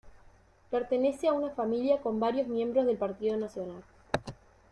Pertenece a una familia con varios miembros del partido Nacional.